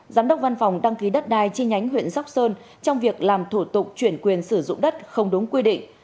giám đốc văn phòng đăng ký đất đai chi nhánh huyện sóc sơn trong việc làm thủ tục chuyển quyền sử dụng đất không đúng quy định